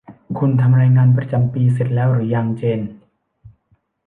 คุณทำรายงานประจำปีเสร็จแล้วหรือยังเจน